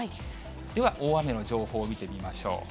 では、大雨の情報を見てみましょう。